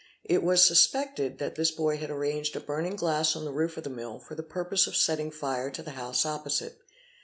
It was suspec ted that this boy had arranged a burning glass on the roof of the mill for the purpose of setting fire to the house opposite.